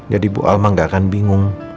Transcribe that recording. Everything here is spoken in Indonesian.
jadi bu alma gak akan bingung